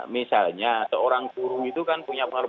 misalnya seorang guru itu kan punya pengaruh